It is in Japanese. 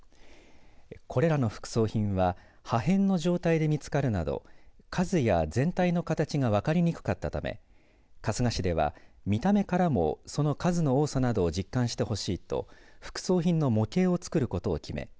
これらの副葬品は破片の状態で見つかるなど数や全体の形が分かりにくかったため春日市では見た目からもその数の多さなどを実感してほしいと副葬品の模型を作ることを決め